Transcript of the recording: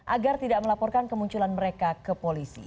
agar tidak melaporkan kemunculan mereka ke polisi